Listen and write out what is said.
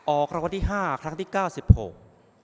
ออกคำวัติห้าครั้งที่เก้าสิบหก